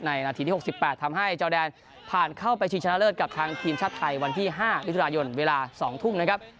นาทีที่๖๘ทำให้จอแดนผ่านเข้าไปชิงชนะเลิศกับทางทีมชาติไทยวันที่๕มิถุนายนเวลา๒ทุ่มนะครับ